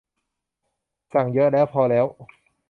สั่งเยอะแล้ว พอแล้ว